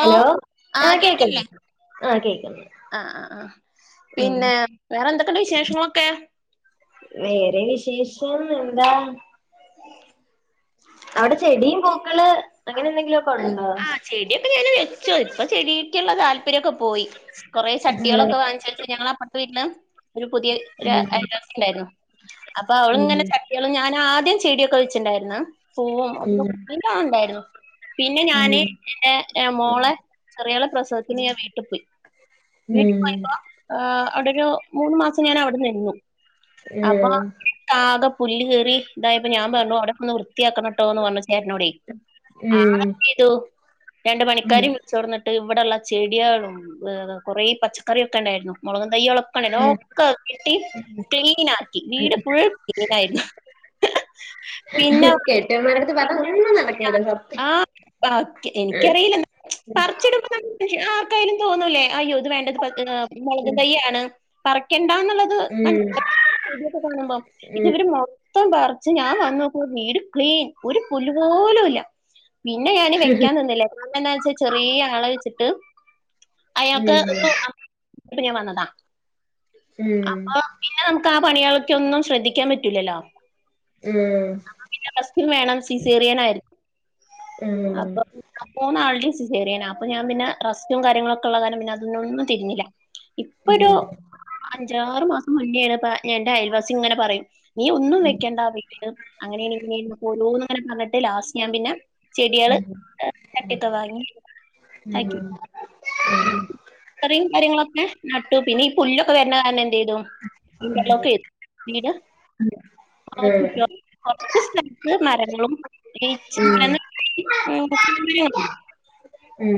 Hello ആഹ് കേക്ക്ന്ന്ണ്ട് ആഹ് കേക്ക്ണ്ട്. ആഹ് ആഹ് ആഹ് പിന്നെ വേറെ എന്തൊക്കെണ്ട് വിശേഷങ്ങളൊക്കെ? വേറെ വിശേഷം എന്താ? അവിടെ ചെടിയും പൂക്കള് അങ്ങനെ എന്തെങ്കിലു ആഹ് ചെടിയൊക്കെ ഞാന് വെച്ചു. ഇപ്പൊ ചെടിയൊക്ക്ള്ള താല്പര്യൊക്കെ പോയി. കൊറേ ചട്ടിളൊക്കെ വാങ്ങിച്ച് വെച്ച് ഞങ്ങളെ അപ്പർത്തെ വീട്ടില് ഒരു പുതിയ ഉം ഉം ഒര് അയൽവാസിണ്ടാര്ന്നു. അപ്പ ഉം അവള്ങ്ങനെ ച ട്ടിള് ഞാന് ആദ്യം ചെടിയൊക്കെ വെച്ചിണ്ടായിര്ന്നു പൂവും ഉം അതിലൊക്കെ [unintelligible] പിന്നെ ഉം ഞാന് എന്റെ മോളെ ചെറിയോളെ പ്രസവത്തിന് ഞാൻ വീട്ട് പോയി. വീട്ടിൽ പോയപ്പോ ഏഹ് അവിടെ ഒര് മൂന്ന് മാസം ഞാനവിടെനിന്നു. ഉം അപ്പൊകാകെ പുല്ല് കേറി ഇതായപ്പ ഞാൻ പറഞ്ഞു അവിടെ ഒന്ന് വൃത്തിയാക്കണട്ടോന്ന് പറഞ്ഞു ചേട്ടനോടെ ആള് എന്തെയ്തു? രണ്ട് പ ഉം ണിക്കാരേം വി ളിച്ചൊട്ന്നിട്ട് ഇവിടെള്ള ചെടിയെളും കൊറേ പച്ചക്കറിയൊക്ക ഇണ്ടായിര് ന്നു. മൊളകിൻ തയ്യളൊ ഒക്ക ഇണ്ടായിനു ഉം ഒക്ക വിട്ടി ക്ലീനാക്കി. വീട്ഫുൾ ക്ലീനായിര്ന്നു. ഇഹ് പിന്നെ, എന്റെ അമ്മേടത് പറഞ്ഞാ ഒന്നും നടക്കൂല സത്യം ഓക്കെ എനിക്കറിയില്ലന്താ ഉം പറിച്ചിട്മ്പ നമുക്ക് ആർക്കായാലും തോന്നൂലേ അയ്യോ ഇത് വേണ്ടത് പ ആഹ് ഉം മൊളകുംതയ്യാണ് പറിക്കേണ്ടാന്ന്ള്ളത് ഉം [unintelligible] ഇത് ഉം വര് മൊ തോം പർച്ച് ഞാൻവന്നൊക്കുമ്പോ വീട്ക്ലീൻ ഒരുപുല്ല്പോലൂല്ല. പിന്നെ ഞാന് വെക്കാൻനിന്നില്ല. കാരണം എന്നാ വെച്ചാ ചെറീയ ആളെ വെച്ചിട്ട് ഉം ഉം അയാക്ക് [unintelligible] വന്നതാ അപ്പൊ ഉം പിന്നെ നമുക്കാ ആ പണിയാൾ ക്കൊന്നും ശ്രദ്ധിക്കാൻ പറ്റൂലല്ലോ ഉം ആഹ് റെസ്റ്റ് വേണം സിസേറിയനാര്ക്കും ഉം ഉം ഉം ഉം അപ്പൊ ആ മൂന്നാൾടേം സിസേറിയനാ അപ്പ ഞാൻ പിന്നെ റെസ്റ്റും കാര്യങ്ങളൊക്കെ ഇള്ള കാര്യം പിന്നെ അതിനൊന്നും തിരിഞ്ഞീല. ആഹ് അഞ്ചാറ് മാസം മുന്നെണ് ഇപ്പ എന്റെ അയൽവാസിങ്ങനെ പറിം നീ ഒന്നുംവെക്കണ്ട വീട്ടില്. അങ്ങനെണെങ്കില് ഇപ്പോരോന്ന് ഇങ്ങനെ പറഞ്ഞിട്ട് ലാസ്റ്റ് ഞാൻ പിന്നെ ചെടിയള് ചട്ടിയൊക്കെവാങ്ങി ആക്കി. ഇത്രയിം കാര്യങ്ങളൊക്കെ നട്ടു. പിന്നെ ഈ പുല്ലൊക്കെ വര്ണ കാരണം എന്തെയ്തു ഇന്റർലോക്ക് വീട് ഉം ഉം [unintelligible] കൊറച്ച് സ്ഥലത്ത് മരം ഉം [unintelligible] ഉം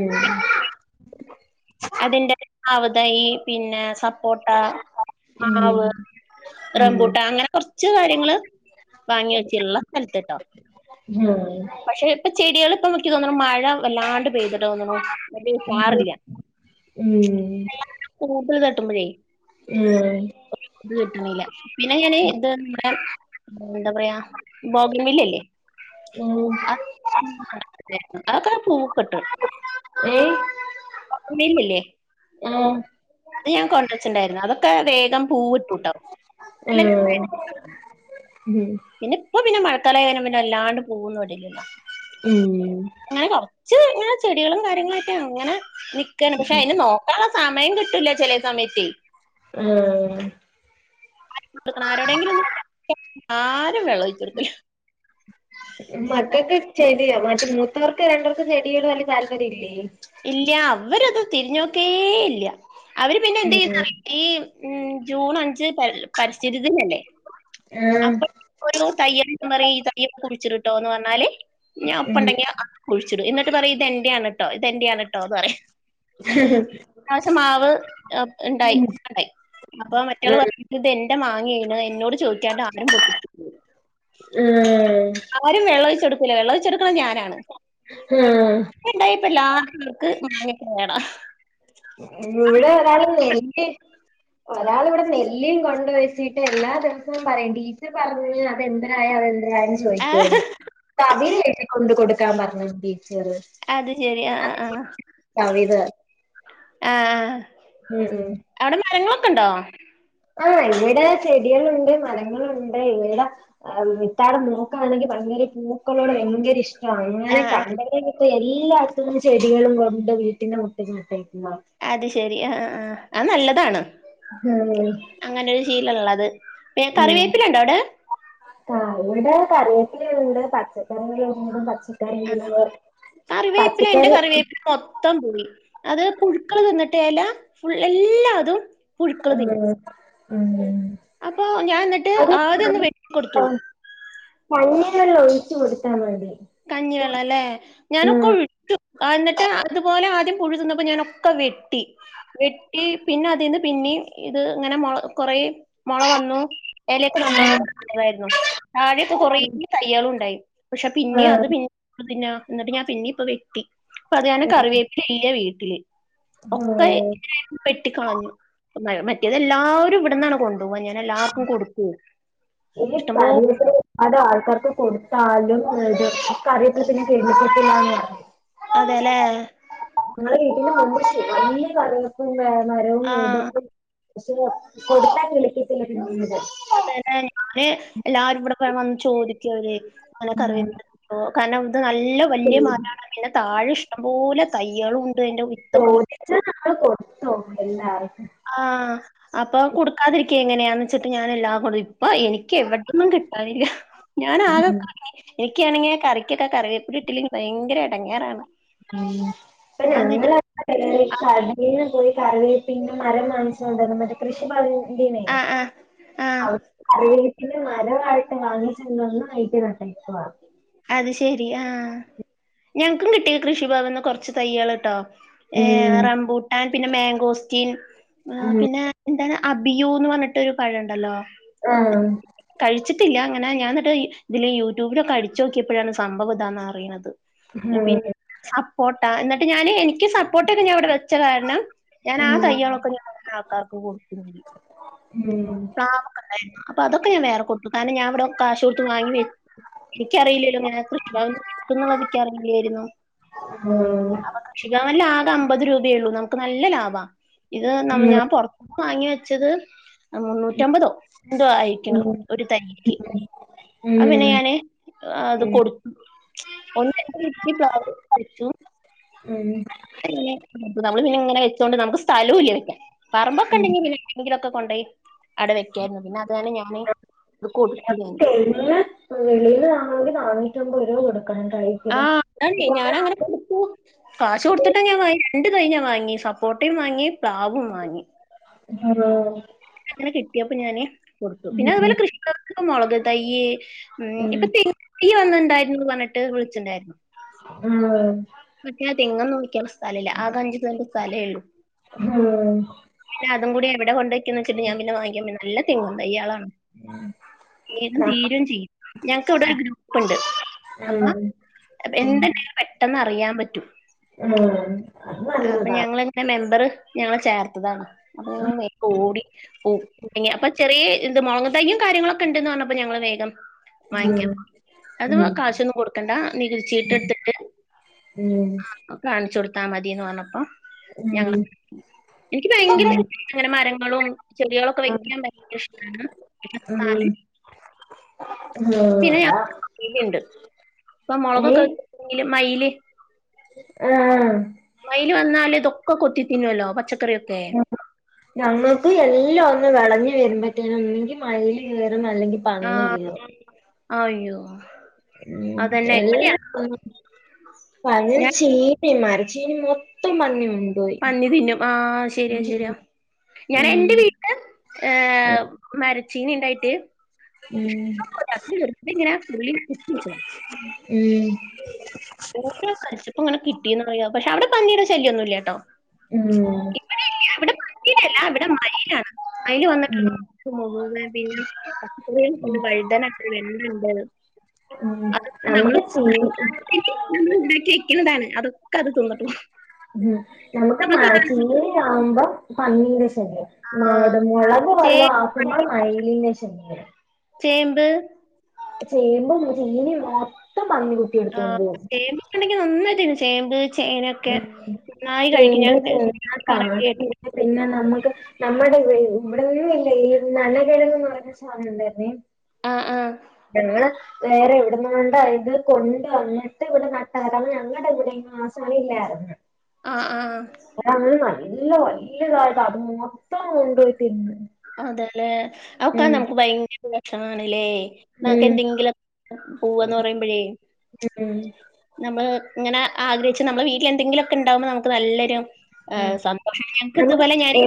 അതിന്റെ അവടെ ഈ പിന്നെ സ പോട്ടാ മാവ് റംമ്പൂട്ടാ അങ്ങനെ കൊർച്ച് കാര്യങ്ങള് വാങ്ങിവെച്ചിള്ള സൽത്ത്ട്ടോ ഞാൻ പഷേ ഇപ്പ ചെടികള് ഇപ്പൊൻക്ക് തോന്ന്ണ് മഴ വല്ലാണ്ട്പെയ്തിട്ട് തൊന്ന്ണു വെല്ലിയൊരുഷാറില്ല ഉം പൂപ്പല് തട്ടുമ്പഴേ ഉം ഇത് കിട്ട്ണ്ല്ല പിന്നെ ഞാന് ഇത് നമ്മ്ടെ എന്ത പറയാ ബോഗൻവില്ലല്ലേ [unintelligible] [unintelligible] അതൊക്കെ പൂക്കെട്ട് ഏഹ് [unintelligible] [unintelligible] അത് ഞാൻ കൊണ്ട്റ്ച്ച്ണ്ടായിരുന്നു അതൊക്കെ വേഗം പൂവ് ഇട്ടൂട്ടോ അല്ല [unintelligible] ഉംഹ് പിന്നെ ഇപ്പൊ പിന്നെ മഴക്കാലായ് കായിഞ്ഞ പിന്നെ എല്ലാണ്ട് പൂവൊന്നും ഇടലില്ല ഉം അങ്ങനെ കൊറ്ച്ച് ഇങ്ങനെ ചെടികളും കാര്യങ്ങളായിട്ട് അങ്ങനെ നിക്കാണ് പക്ഷെയിന് നോ ക്കാൻള്ള സമയം കിട്ടില്ല ചെലേ സമയത്തെയ് ആഹ് ആര് കൊടുക്കണം ആരോടെങ്കിലും ഒന്ന് ആരും വെള്ളംഒഴിച്ചുകൊട്ക്കൂല. മക്കക്ക്‌ ചെടി [unintelligible] റ്റർക്ക് രണ്ടർക്കും ചെടിയോട് വെല്ല്യതാല്പര്യല്ലേയ് ഇല്ല്യ അവര്ത് തിരിഞ്ഞോക്കേ ഇല്ല അവര് പിന്നെന്തെയുംന്നറിയോ ഈ ഉം ജൂൺ അഞ്ച് പരി പരിസ്ഥിതി ദിനല്ലേ അപ്പൊ ഒരു തയ്യൽ മെറി തയ്യൽ കുഴിച്ചിട്ട്ടോ എന്ന് പറഞ്ഞാല് ഞാൻ അപ്പ ഉണ്ടെങ്കി അ കുഴിച്ചിടും എന്നിട്ട് പറയും ഇതെന്റെയാണ് ട്ടോ ഇതെന്റെയാണ് ട്ടോ എന്ന് പറയും പ്രാവശ്യം മാവ് പ് ഉണ്ടായി ഇവിടെ [unintelligible] ണ്ടായി അപ്പൊ മറ്റെയാള് പറയു ഇതെന്റെ മാങ്ങെണ് എന്നോട് ചോദിക്കാണ്ട് ആരും പൊട്ടിക്കരുത് [unintelligible] ആരും വെള്ളൊഴിച്ച് കൊടുക്കൂല വെള്ളൊഴിച്ച് കൊടുക്കണ ഞാനാണ് ഉണ്ടായിപ്പ എല്ലാർക്കും നമുക്ക് മാങ്ങയ്ക്ക്‌ കേട ഇവിടെ ഒരാള് നെല്ലി ഒരാള് ഇവിടെ നെല്ലിം കൊണ്ട് വെച്ചിട്ട് എല്ലാ ദിവസവും പറയും ടീച്ചർ പറഞ്ഞ് അത് എന്തരായ് അത് എന്തരായ് എന്ന് ആ, ചോയ്ക്കോ തവിര്കെട്ടി കൊണ്ട് കൊടുക്കാൻ പറഞ്ഞ് ടീച്ചറ് അത് ശരി [unintelligible] തവിത് ആഹ് ഉം അവ്ടെ മരങ്ങളൊക്കെ ഉണ്ടോ ആഹ് ഇവിടെ ചെടികളുണ്ട് മരങ്ങളുണ്ട് ഇവിട ആഹ് വിത്താണെ നോക്കാണെങ്കി ഭയങ്കരെ പൂക്കളോട് ഭയങ്കര ഇഷ്ടാണ് ആ അങ്ങനെ ആ കണ്ടെങ്കി മിറ്റേ എല്ലാ ത്തും ചെടികളും കൊണ്ട് വീട്ടിന്റെ മുട്ടെക്ക്‌ നട്ടേക്കുവാ അത് ശെരി ആഹ് ആഹ് ആഹ് അത് നല്ലതാണ് ഉം അങ്ങനൊരു ശീലൊള്ളത് പിന്നെ കറിവേപ്പിലുണ്ടോ അവിടെ ആഹ് ഇവിടെ കറിവേപ്പിലയുണ്ട് പച്ചക്കറികളുണ്ട് പച്ച [unintelligible] പച്ചക്കറി ത്തം പോയി അത് പുഴുക്കള് തിന്നിട്ട് എല ഫുൾ എല്ലാതും പുഴുക്കൾ തിന്നു ആഹ് ഉം അപ്പൊ ഞാൻ ന്നിട്ട് അത് ആദ്യോന്ന് വെട്ടി കൊടുത്തു കഞ്ഞി വെള്ളം ഒഴിച്ച് കൊടുത്താ മതി കഞ്ഞിവെള്ളല്ലേ ഉം ഞാനക്കൊഴി എന്നിട്ട് അതുപോലെ ആദ്യം പുഴു തിന്നപ്പോ ഞാനൊക്കെ വെട്ടി വെട്ടി പിന്നെ അതിന്ന് പിന്നേം ഇത് ഇങ്ങനെ മുള കൊറേ മൊള വന്നു എലേക്ക നന്നായി നതായിരുന്നു താഴേക്ക കൊറേ തയ്യ്കളും ഉണ്ടായി പക്ഷെ പിന്നെ അത് പിന്നെ [unintelligible] തിന്നാ എന്നിട്ട് ഞാൻ പിന്നെ ഇപ്പ വെട്ടി ഇപ്പ അത് കാരണം കറിവേപ്പില ഇല്ല വീട്ടില് ഉം ഒക്കെ ഇങ്ങനെ വെട്ടിക്കളഞ്ഞു മറ്റേത് എല്ലാവരും ഇവിട്ന്നാണ് കൊണ്ട് ണ്ടുവാ ഞാൻ എല്ലാർക്കും കൊടുക്കേ ഈ കരണ്ട് പോ അത് ആൾക്കാർക്ക് കൊടുത്താലും ഇത് കറി വേപ്പില [unintelligible] അതെല്ലേ ങ്ങളെ വീട്ടില് നമ്മള് ചെറി വല്യ കറിവേപ്പും മരവും ആ ഇതൊക്കും പക്ഷെ കൊടുത്താ കിള്ക്കത്തില്ല പിന്നീട് അതെലേ ഞാന് എല്ലാരും ഇവിടെ വന്ന് ചോദിക്കും അവര് ഇങ്ങനെ കറിവേപ്പില ആഹ് കാരണം ഇത് നല്ല വലിയ മരാണ് പിന്നെ താഴെ ഇഷ്ടം പോലെ തൈകളും ഉണ്ട് എന്റെ ചോദിച്ചാ നമ്മള് കൊടുത്ത് പോകും എല്ലാർക്കും ആഹ് അപ്പൊ കൊടുക്കാതിരിക്കെ എങ്ങനാന്ന് വെച്ചിട്ട് ഞാൻ എല്ലാം കൊടും ഇപ്പൊ എനിക്ക് എവിട്ന്നും കിട്ടാനില്ല ഞാൻ ആക [unintelligible] എനിക്കാണെങ്കി കറിക്കൊക്കെ കറിവേപ്പില ഇട്ടില്ലെങ്കി ഭയങ്കര എടങ്ങേറാണ് ഉം അപ്പ ഞങ്ങള് [unintelligible] കടെല് പോയി കറിവേപ്പിന്റെ മരം വാങ്ങിച്ചു കൊണ്ടരുന്നു മറ്റേ കൃഷി ഭവനി എന്തിനെ ആ ആ ആ അവ് കറിവേപ്പിന്റെ മരവായിട്ട് വാങ്ങിച്ചോണ്ട് വന്ന അയില് നട്ടേക്കുവാ അത് ശെരി ആഹ് ഞങ്ങക്കും കിട്ടി കൃഷി ഭവന് കൊറച്ച് തയ്യാൾട്ടോ ഏ ഉം റംബൂട്ടാൻ പിന്നെ മാങ്കോസ്റ്റീൻ ഉം പിന്നെ എന്താണ് അബിയുന്ന് പറഞ്ഞിട്ട് ഒരു പഴണ്ടല്ലോ ആഹ് കഴിച്ചിട്ടില്ല ങ്ങനെ ഞാനിട്ട് ഇതില് യൂട്യൂബിലൊക്കെ അടിച്ചു നോക്കിയപ്പോഴാണ് സംഭവം ഇതാന്ന് അറിയുന്നത് പിന്നെ സപ്പോർട്ടാ എന്നിട്ട് ഞാന് എനിക്ക് സ പ്പോൊട്ടൊക്കെ ഞാൻ ഇവിടെ വെച്ച കാരണം ഞാൻ ഉം ആഹ് ത യ്യളൊക്കെ ഞ ആൾക്കാർക്ക് കൊടുകും ചെയ്യും ഉം ടായിരിന്നു അപ്പൊ അത് ഒക്കെ ഞാൻ വറെ കൊടുത്തു കാരണംഞാന്നിവിടെ കാശ്ടുത്ത് വാങ്ങി. എനിക്കറിയില്ലല്ലോ അങ്ങന കൃഷി ഭവൻന്ന് കിട്ടുംന്നുള്ളത് ക്കറിയില്ലായിരുന്നു. ആഹ് [unintelligible] അമ്പത് രൂപയള്ളൂ നമുക്ക് നല്ല ലാഭാ ഇത് ന ഉം ഞാൻ പൊറ വാങ്ങി വെച്ചത് മുന്നൂറ്റമ്പതോ എന്തോ ആയിക്കണോ ഉം ഒരു തൈയ്ക്ക് ഉം ഉം അ പിന ഞാണ്.. അത് കൊടുത്തു [unintelligible] പ്ലാവ് വച്ചു ഉം നമ്മള് പിന്നെങ്ങനെ വെച്ചോണ്ട് നമുക്ക് സ്ഥലവും ഇല്ല വെക്കാൻ ഉം പറമ്പൊക്കെണ്ടെങ്കി പിന്നെ വിടെങ്കിലൊക്കെ കൊണ്ടോയി അവിടെവെക്കായിരുന്നു പിന്നെ അത് കാരണം ഞാന് ഇകൊടുത്തു ഞാൻ പിന്നെ വെളിയിൽ ആ ണെങ്ക നാന്നൂറ്റി അമ്പത് രൂപ കൊടുക്കണം കഴിക്ക ഭക്ഷ [unintelligible] ഞാൻ അങ്ങനെ കൊടുത്തു കാശ് കൊടുത്തിട്ടാ ഞാൻ വാങ്ങി രണ്ട്തയ്യ് വാങ്ങി സപ്പോട്ടയും വാങ്ങി പ്ലാവും വാങ്ങി [unintelligible] അങ്ങനെ കിട്ടായാ പ്പോഞാൻ കൊടുത്തു ഉം പിന്നെ അതുപോലെ കൃഷിക്കർക്ക് മുളക് തൈയ്യ് ഉം ഇപ്പൊ.. ഈ വന്ന്ണ്ടായിരുന്നു പർഞ്ഞിട്ട് വിള്ച്ച്ണ്ടായിരുന്നു. ഉം കിട്ട്യ തെങ്ങന്നും വിക്കാള്ള സ്ഥലല്ല ആക അഞ്ച് സെൻ്റ് സ്ഥലേള്ളു. പിന്നെ അത് കൂടി എവിടെ കൊണ്ടയ്ക്ക ന്ന്ച്ച്ട്ട് ഞാ പിന്നെ വാങ്ങിക്കാ ബന്ന് നല്ല തെങ്ങും തയ്യളാണ്. വേഗം തീരും ചെയ്യും ഞങ്ങക്ക് ഇവടെ ഒരു ഗ്രൂപ്പ്ണ്ട് അപ്പ ഉം പ്പെ എന്ത്ണ്ടെങ്കിലും പെട്ടെന്ന് അറിയാൻ പറ്റും. ആഹ് ആഹ് അപ്പൊ ഞങ്ങളെ മെമ്പർ ഞങ്ങള ചേർത്തതാണ്. അപ്പ ഞ ഓടി [unintelligible] ചെറീ ന്ത് മൊളക് തെയ്യും കാര്യങ്ങളൊക്കെ ണ്ട് ന്ന് പറഞ്ഞപ്പോ ഞങ്ങള് വേഗം ഉം വാങ്ങിക്കാം അത് ഉം കാശൊന്നും കൊടുക്കണ്ട നികുതി ചീട്ട് എട്ത്തിട്ട് ഉം കാണ്ച്ചോട്ത്താ മതീന്ന് പർഞ്ഞപ്പോ ഞങ്ങ ഇൻക്കി ഭയങ്കര ഇഷ് ങ്ങനെ മരങ്ങളും ചെടികളും ഒക്കെ വെക്കാൻ ഭയങ്കര ഷ്ടാണ്. ഇര്വത്ത് നാല് പിന്നെ ഞ [unintelligible] പ്പൊ മൊളകൊക്കെ വെ ങ്കില് മയില് ആഹ് മയിൽ വന്നാൽ ഇതൊക്കെ കൊത്തിതിന്നുല്ലോ പച്ചക്കറിയൊക്കെ. ഞങ്ങക്ക് എല്ലാം ഒന്ന് വെളഞ്ഞ് വരുമ്പത്തേനും ഒന്നെങ്കി മയിൽ കേറും അല്ലെങ്കി പന്നി ആഹ് കേറും അയ്യോ! ഉം അതന്നെ എൽ എവിടെയാ ഞാൻ [unintelligible] ചീനി മര ചീനി മൊത്തം പന്നി ന്നും. പന്നി തിന്നും ആ ശരിയാ ശരിയാ. ഞാൻ ഉം എന്റെ വീ ഏഹ് മരച്ചീനി ണ്ടായിട്ട്. ഉം ഇഷ്‌ടപോലെ [unintelligible] ഓരോ കശ്പ്പ ഇങ്ങനെ കിട്ടിയന്ന് പറയാ പക്ഷെ അവ്ടെ പന്നീടെ ശല്യഒന്നുല്ലട്ടോ ഉം ഇവടെല്ല്യ ഇവടെ പന്നി വെര്ല ഇവടെ മയിലാണ് മയില് ഉം വന്നിട്ടുള്ള ഉം [unintelligible] പിന്ന [unintelligible] വഴുതന ണ്ട് വെണ്ട ണ്ട്. ഉം നമ്മക്ക് ചില്ലി [unintelligible] അതൊക്കെ അത് തിന്ന്ട്ട് പോവും. ഹും നമ്മക്ക് മാ ചീരയാവുമ്പോ പന്നീടെ ശല്യം. ആ, നാടം മൊളക് വല്ലോ ചേ- ആക്കുംമ്പം മയിലിൻ്റെ ശല്യം ചേമ്പ് ചേമ്പും, ചീരിം ഒക്കെ പന്നി കു ആഹ് ചേമ്പിക്കെണ്ടെങ്കി നന്നായിട്ടി ചേമ്പ് ചേനൊക്കെ ഉം ന്നായി കഴിക്കും ചേമ്പ് ഞാൻ ചേന [unintelligible] കാച്ചില് പിന്നെ നമ്മക്ക് നമ്മടെ ഇവി ഇവടൊന്നും ല്ല ഈ നല്ല കിഴങ്ങ് [unintelligible] [unintelligible] ആഹ് ആഹ് ഞങ്ങള് വേറെ എവിട്ന്ന ണ്ടാ യിത് കൊണ്ട് വന്ന്ട്ട് ഒരു നട്ട കഥ ഞങ്ങടെ ഇവടെ യിങ്ങാ. സമിയില്ലാ ആഹ് ആഹ് [unintelligible] നല്ല വല്യതായിട്ട് അത് മൊത്തം കൊണ്ടോയി തിന്ന്. അതെ ലെ അപ്പൊ ഉം നമുക്ക് ഭയങ്കര വെഷമാണ് ലേ നമ്ക്ക് ഉം എന്തെങ്കിലൊ പോവാന്ന് റിമ്പഴേ ഉം നമ്മള് ഇങ്ങനെ ആഗ്രഹിച്ച് നമ്മളെ വീടി ന്തെങ്കിലൊക്കെ ണ്ടാകുമ്പോ നമുക്ക് നല്ലൊരു ഉം ആഹ് സന്തോഷ ക്ക് നമുക്ക് ഇതുപോലെ ഞാന്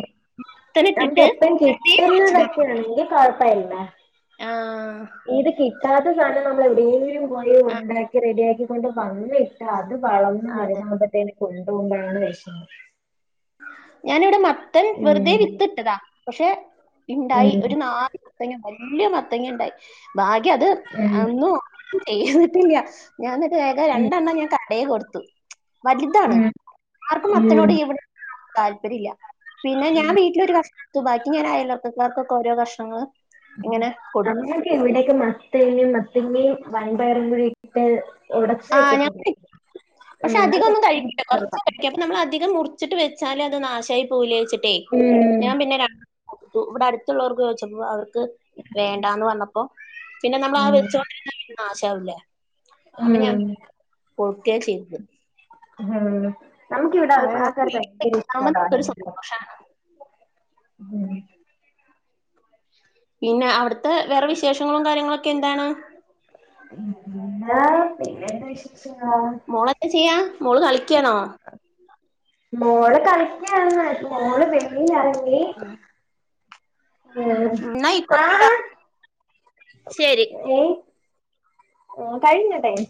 ത്തനെ ഇട്ട്ട്ട് തിന്ന് വെയ്ക്കാണെങ്കി കൊഴപ്പല്ല. ആഹ് ഈത് കിട്ടാത്ത സാനം നമ്മൾ എവിടെങ്കിലും പോയി ആഹ് ഉണ്ടാക്കി റെഡിയാക്കി കൊണ്ട് വന്നേ. ആഹ് അത് വളർന്ന് അതെ. വലുതാവുംമ്പത്തേന് കൊണ്ട് പോവുമ്പയാണ് വെഷ്മം. ഞാനിവിടെ മത്തൻ വെർതെ ഉം വിത്തിട്ടതാ പക്ഷെ ഇണ്ടായി ഉം ഒരു നാല് മത്തങ്ങ വല്ലിയ മത്തങ്ങണ്ടായി ഭാഗ്യ അത് ഉം ഒന്നും ചെയ്ത്ട്ടില്ല ഞാൻ ന്നിട്ട് വേഗം ഉം രണ്ടെണ്ണം ഞാൻ കടേ കൊടുത്തു വല്താണ് ഉം ആർക്കും ഉം മത്തനോട് ഇവിടെ താല്പര്യല്ല പിന്നെ ഞാൻ വീട്ടിലൊരു കഷ്ത്തു ബാക്കി ഞാൻ അയൽവക്കകാർക്കൊക്കെ ഓരോ കഷ്ണങ്ങൾ ഇങ്ങനെ കൊടുക്കും. ഞങ്ങെക്കെ ഇവിടൊക്കെ മത്തങ്ങിയും മത്തങ്ങയും വൻപയറും കൂടി ട്ട് ആഹ് [unintelligible] പക്ഷെ ആഹ് അധികം അത് ഒന്നും ഭയങ്കര കഴിക്കില്ല ഇഷ്ടവാ കൊർച്ചൊക്കെ കഴിക്കും പ്പം നമ്മൾ അധികം മുറിച്ചിട്ട് വെച്ചാല് അത് നാശായി പോവ് ലെ വെച്ചിട്ടേ ഉം ഞാൻ പിന്നെ ര [unintelligible] ഇവിടെ അട്ത്തുള്ളോർക്ക് ചോയ്ച്ചപ്പോ അവർക്ക് വേണ്ടാന്ന് വർണപ്പോ പിന്നെ നമ്മൾ ആഹ് ഉം വെച്ചോണ്ടിര്ന്നാ യിത് നാശാവുലെ അപ്പ ഞാം ഉം ഒക്കെ ചെയ്പ് ഹ്ഉം നമ്മ്ക്ക് ഇവിടെ അങ്ങനെ നമുക്ക് ആൾക്കാരെ ഭയങ്കര വീട്ടിലേക്ക് ഉണ്ടാവുമ്പോ ഇഷ്ടമാണ് നമുക്കൊരു സന്തോഷാണ് ഉം പിന്നെ അവിട്ത്തെ വേറെ വിശേഷങ്ങളും കാര്യങ്ങളൊക്കെ എന്താണ് ആഹ് പിന്നെന്ത് വിശേ- [unintelligible] മോളെത്ത് ചെയ്യാ മോള് കളിക്കിയാണോ മോള് കളിക്കിയാണ് ന്നാ മോള് വെല്ലിയതായി ണ്ണീ ആഹ് എന്നാ ആയിക്കോട്ടെ ട്ടോ ആഹ് ശരി ഏഹ് ഉം കഴിഞ്ഞ ടൈം